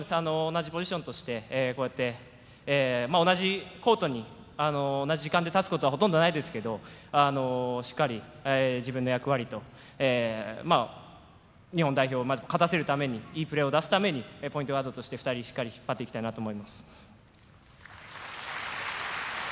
同じポジションとしてこうやって同じコートで同じ時間に立つことはほとんどないですけど、しっかり自分の役割と日本代表を勝たせるために良いプレーを出すためにポイントガードとして２人、しっかり引っ張っていきたいと思います。